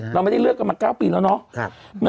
เราไม่ได้เลือกกันมา๙ปีแล้วเนาะ